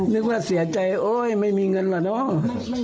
นึกว่าเสียใจโอ๊ยไม่มีเงินเหรอน้อง